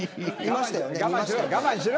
我慢しろ。